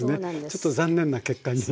ちょっと残念な結果にね。